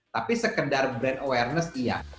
tapi sekedar brand awareness iya